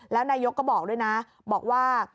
แล้วนายกก็บอกด้วยนะบอกว่า